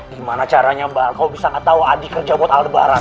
gimana caranya mbak kau bisa gak tahu adi kerja buat aldebaran